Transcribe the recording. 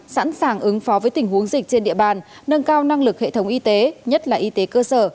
sẵn sàng ứng phó với tình huống dịch trên địa bàn nâng cao năng lực hệ thống y tế nhất là y tế cơ sở